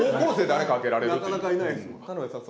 なかなかいないですもん。